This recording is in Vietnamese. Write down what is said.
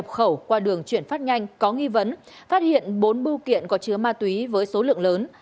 các bưu kiện nhập khẩu qua đường chuyển phát nhanh có nghi vấn phát hiện bốn bưu kiện có chứa ma túy với số lượng lớn